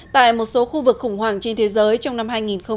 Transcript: tại một số khu vực khủng hoảng trên thế giới trong năm hai nghìn hai mươi